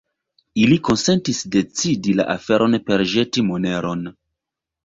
Ili konsentis decidi la aferon per ĵeti moneron.